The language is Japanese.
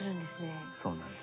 そうなんです。